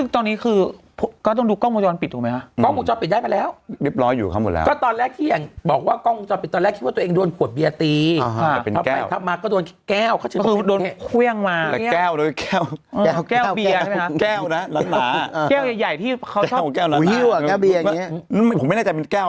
ตรงนี้คือก็ต้องดูกล้องมือจอดปิดถูกไหมฮะกล้องมือจอดปิดได้ไปแล้ว